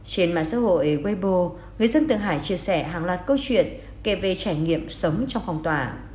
trên mạng xã hội webo người dân thượng hải chia sẻ hàng loạt câu chuyện kể về trải nghiệm sống trong phong tỏa